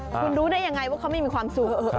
คุณรู้ได้ยังไงว่าเขาไม่มีความสุข